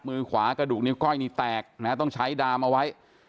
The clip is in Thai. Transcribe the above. มือขวากระดูกนิ้ก้อยนี่แตกนะฮะต้องใช้ดามเอาไว้